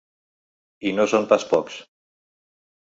I no són pas pocs.